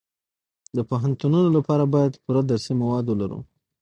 د پوهنتونونو لپاره باید پوره درسي مواد ولرو